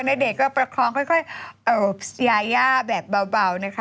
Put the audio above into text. ณเดชน์ก็ประคองค่อยค่อยโอบยายแบบเบาเบานะคะ